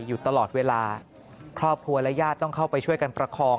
อยู่ตลอดเวลาครอบครัวและญาติต้องเข้าไปช่วยกันประคอง